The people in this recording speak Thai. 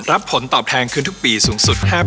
ผลตอบแทนคืนทุกปีสูงสุดแทบ